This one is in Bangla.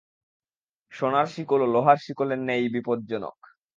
সোনার শিকলও লোহার শিকলের ন্যায়ই বিপজ্জনক।